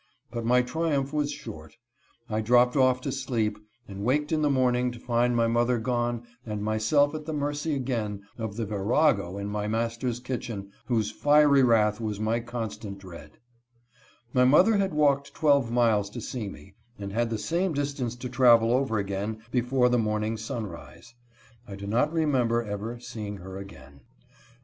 But my triumph was short. I dropped off to sleep, and waked in the morning to find my mother gone and myself at the mercy again of the virago in my master's kitchen, whose fiery wrath was my constant dread. My mother had walked twelve miles to see me, and had the same distance to travel over again before the morning sunrise. I do not remember ever seeing her again. Her The Last Time he saw his Mother. HEE DEATH.